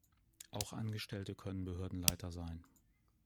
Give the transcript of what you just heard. Auch Angestellte können Behördenleiter sein.